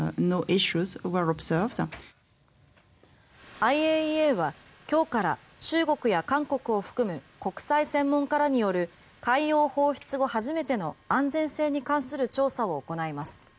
ＩＡＥＡは今日から中国や韓国を含む国際専門家らによる海洋放出後初めての安全性に関する調査を行います。